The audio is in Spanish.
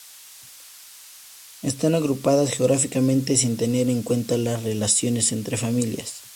Están agrupadas geográficamente sin tener en cuenta las relaciones entre familias.